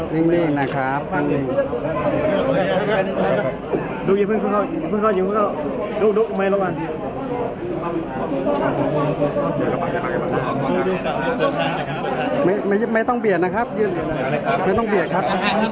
ตรงตรงนี้น่ะดูดูไมไม่ต้องเบียดนะครับยืนไม่ต้องเบียดครับ